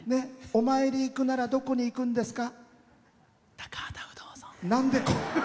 お参り行くならどこに行くんですか？